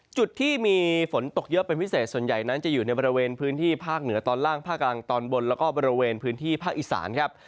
จุดที่มีฝนตกเยอะเป็นพิเศษส่วนใหญ่นั้นจะอยู่ในบริเวณพื้นที่ภาคเหนือตอนล่างภาคกลางตอนบนแล้วก็บริเวณพื้นที่ภาคอีสานครับ